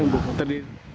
iya yang duanya ibu ketemu